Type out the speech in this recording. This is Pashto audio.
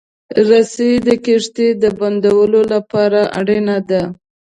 رسۍ د کښتۍ د بندولو لپاره اړینه ده.